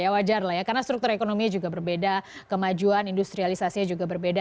ya wajar lah ya karena struktur ekonominya juga berbeda kemajuan industrialisasinya juga berbeda